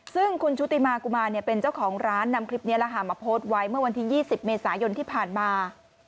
ซึ่งคุณชุติมากุมารเป็นเจ้าของร้านนำคลิปนี้มาโพสต์ไว้เมื่อวันที่๒๐เมษายนที่ผ่านมา